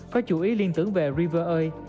có chủ ý liên tưởng về river oil